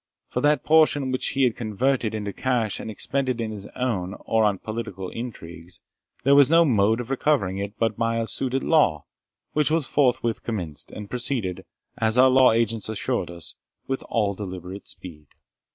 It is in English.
For that portion which he had converted into cash and expended in his own or on political intrigues, there was no mode of recovering it but by a suit at law, which was forthwith commenced, and proceeded, as our law agents assured us, with all deliberate speed.